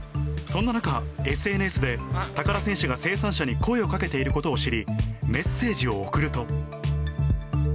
そんな中、ＳＮＳで、高田選手が生産者に声をかけていることを知り、メッセージを送ると。